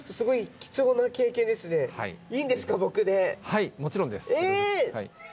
はいもちろんです。え！